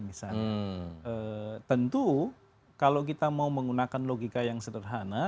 misalnya tentu kalau kita mau menggunakan logika yang sederhana